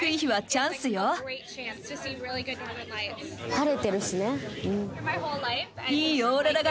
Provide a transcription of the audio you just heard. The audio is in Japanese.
晴れてるしね。